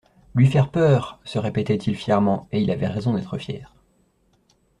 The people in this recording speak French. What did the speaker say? Lui faire peur ! se répétait-il fièrement, et il avait raison d'être fier.